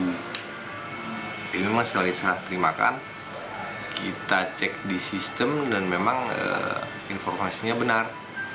jadi memang setelah diserah terimakan kita cek di sistem dan memang informasinya benar